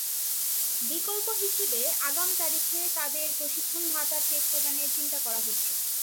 বিকল্প হিসেবে আগাম তারিখে তাঁদের প্রশিক্ষণ ভাতার চেক প্রদানের চিন্তা করা হচ্ছে।